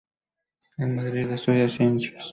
En Madrid estudia Ciencias.